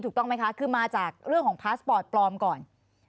ถูกต้องไหมคะคือมาจากเรื่องของพาสปอร์ตปลอมก่อน